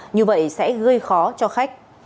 như vậy sẽ gây khó cho khách